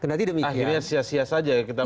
akhirnya sia sia saja kita